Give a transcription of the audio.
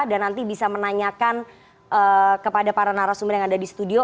nanti bisa menanyakan kepada para narasumber yang ada di studio